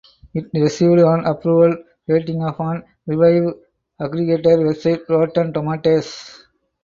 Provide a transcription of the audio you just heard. It received an approval rating of on review aggregator website Rotten Tomatoes.